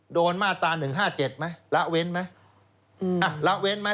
โดนมาตา๑๕๗ไหมละเว้นไหม